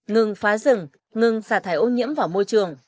ngừng phá rừng ngừng xả thải ô nhiễm vào môi trường